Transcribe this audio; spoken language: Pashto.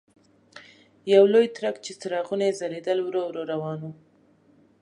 یو لوی ټرک چې څراغونه یې ځلېدل ورو ورو روان و.